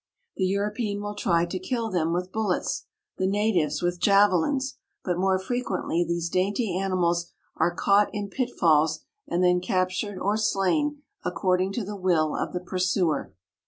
The European will try to kill them with bullets, the natives with javelins, but more frequently these dainty animals are caught in pitfalls and then captured or slain according to the will of the pursuer.